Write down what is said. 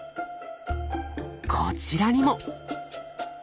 こちらにも！